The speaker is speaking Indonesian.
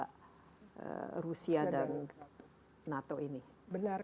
karena mereka sudah melakukan summit